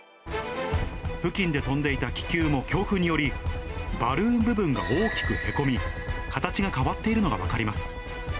付近で飛んでいた気球も強風により、バルーン部分が大きくへこみ、形が変わっているのが分かります。